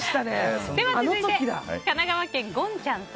続いて、神奈川県の方。